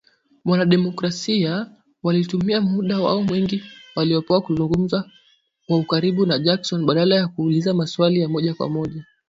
"Wana Demokrasia" walitumia muda wao mwingi waliopewa kuzungumza kwa ukaribu na Jackson, badala ya kuuliza maswali ya moja kwa moja